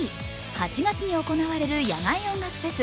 ８月に行われる野外音楽フェス